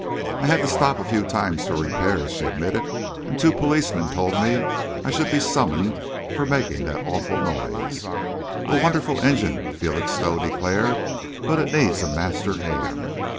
"I had to stop a few times for repairs," she admitted, "and two policemen told me I should be summoned for making that awful noise." "A wonderful engine," Felixstowe declared, "but it needs a master hand."